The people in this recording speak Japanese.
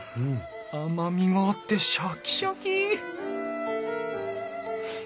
甘みがあってシャキシャキ！